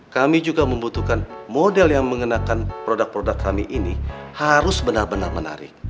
kami juga membutuhkan model yang mengenakan produk produk kami ini harus benar benar menarik